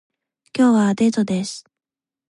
今日はデートです